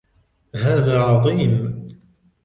هذا عظيم!